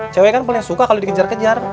cewek kan paling suka kalau dikejar kejar